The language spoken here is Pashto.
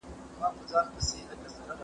د هرات اقلیم د زعفرانو لپاره تر ټولو غوره دی.